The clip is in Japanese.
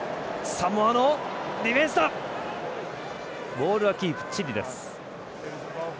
ボールはキープ、チリです。